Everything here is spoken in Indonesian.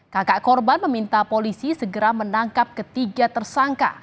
kakak korban meminta polisi segera menangkap ketiga tersangka